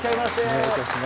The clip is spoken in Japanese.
お願いいたします。